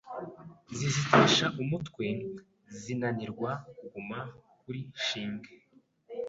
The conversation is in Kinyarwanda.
zizitesha umutwe zinanirwa kuguma kuri shinge